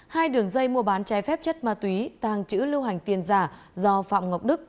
hai đường dây mua bán trái phép chất ma túy tàng trữ lưu hành tiền giả do phạm ngọc đức